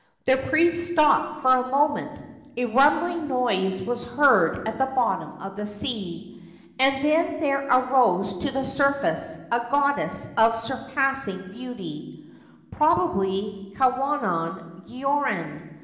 The priest stopped for a moment ; a rumbling noise was heard at the bottom of the sea ; and then there arose to the surface a goddess of surpassing beauty (probably Kwannon Gioran).